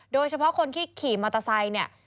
โดยเฉพาะคนที่ขี่มอเตอร์ไซค์เนี่ย